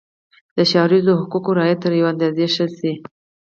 د ښاریزو حقوقو رعایت تر یوې اندازې ښه شي.